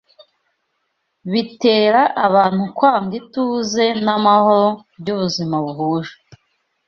bitera abantu kwanga ituze n’amahoro byubuzima buhuje